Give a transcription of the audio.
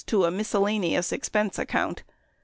924 miscellaneous expense account.